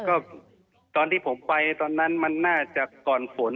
ก็ตอนที่ผมไปตอนนั้นมันน่าจะก่อนฝน